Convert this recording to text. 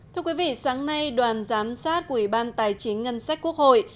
thưa quý vị sáng nay đoàn giám sát của ủy ban tài chính ngân sách quốc hội